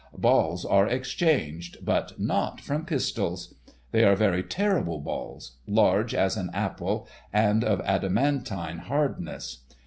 Balls are exchanged, but not from pistols. They are very terrible balls, large as an apple, and of adamantine hardness.